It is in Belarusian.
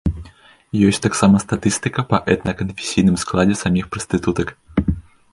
Ёсць таксама статыстыка па этна-канфесійным складзе саміх прастытутак.